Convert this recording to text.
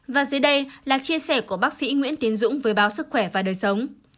và dưới đây là chia sẻ của bác sĩ nguyễn tiến dũng với báo sức khỏe và đời sống